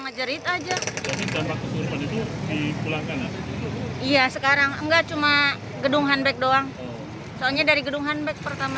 menjerit aja ya sekarang enggak cuma gedung handbag doang soalnya dari gedung handbag pertama